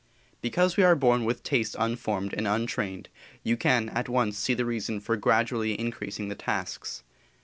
Because we are born with taste unformed and untrained you can at once see the reason for gradually increasing the tasks.